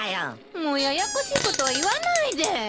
もうややこしいことは言わないで！